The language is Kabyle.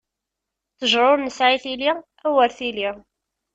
Ṭṭejṛa ur nesɛi tili, awer tili!